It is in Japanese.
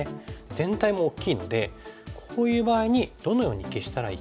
全体も大きいのでこういう場合にどのように消したらいいか。